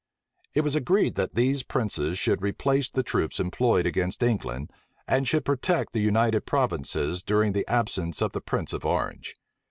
It was agreed, that these princes should replace the troops employed against England, and should protect the United Provinces during the absence of the prince of Orange.